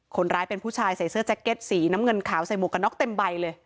คนร้ายเป็นผู้ชายใส่เสื้อแจ็คเก็ตสีน้ำเงินขาวใส่หมวกกันน็อกเต็มใบเลย